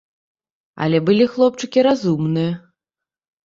Але былі хлопчыкі разумныя.